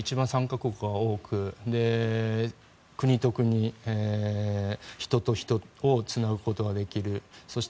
国が多く国と国、人と人をつなぐことができるそして